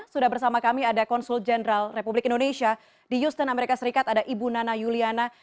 sudah bersama kami ada konsul jenderal republik indonesia di houston amerika serikat ada ibu nana yuliana